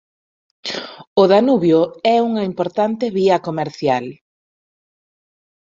O Danubio é unha importante vía comercial.